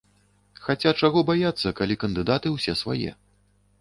Хаця чаго баяцца, калі кандыдаты ўсе свае.